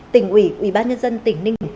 tỉnh ủy ubnd tỉnh ninh bình